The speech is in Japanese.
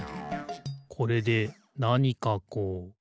これでなにかこう？